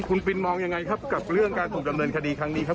คุณปินมองยังไงครับกับเรื่องการถูกดำเนินคดีครั้งนี้ครับ